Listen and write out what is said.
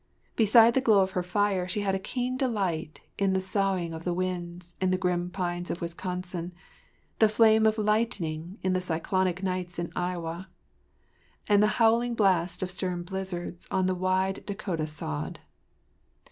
Beside the glow of her fire she had a keen delight in the soughing of the winds in the grim pines of Wisconsin, the flame of lightning in the cyclonic nights in Iowa, and the howling blasts of stern blizzards on the wide Dakota sod.